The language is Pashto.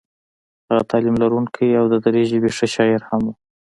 هغه تعلیم لرونکی او د دري ژبې ښه شاعر هم و.